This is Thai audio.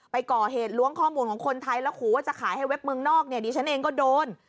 ไปก่อเหตุล้วงข้อมูลของคนไทยแล้วขู่ว่าจะขายให้เว็บเมืองนอกเนี่ยดิฉันเองก็โดน